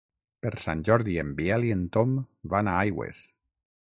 Per Sant Jordi en Biel i en Tom van a Aigües.